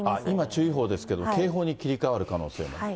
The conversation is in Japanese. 今、注意報ですけれども、警報に切り替わる可能性も。